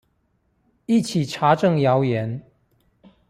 一起查證謠言